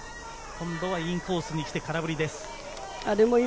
今度はインコースに来て空振りです。